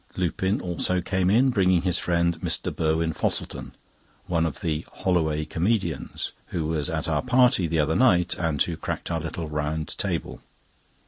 Lupin also came in, bringing his friend, Mr. Burwin Fosselton—one of the "Holloway Comedians"—who was at our party the other night, and who cracked our little round table.